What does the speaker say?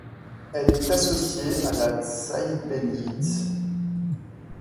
Elle est associée à la szaibélyite.